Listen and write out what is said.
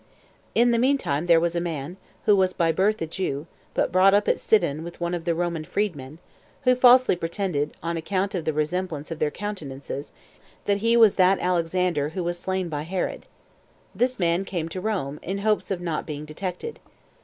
1. In the meantime, there was a man, who was by birth a Jew, but brought up at Sidon with one of the Roman freed men, who falsely pretended, on account of the resemblance of their countenances, that he was that Alexander who was slain by Herod. This man came to Rome, in hopes of not being detected.